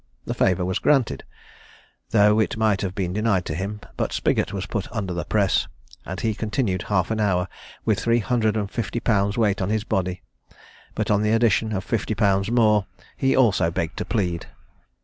The favour was granted, though it might have been denied to him; but Spiggot was put under the press, and he continued half an hour, with three hundred and fifty pounds' weight on his body; but, on the addition of fifty pounds more, he also begged to plead.